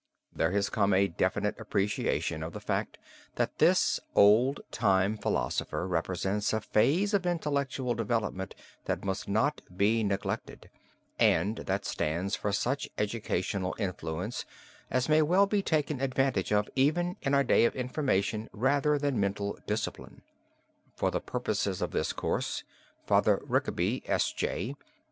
There has come a definite appreciation of the fact that this old time philosopher represents a phase of intellectual development that must not be neglected, and that stands for such educational influence as may well be taken advantage of even in our day of information rather than mental discipline. For the purposes of this course Father Rickaby, S. J.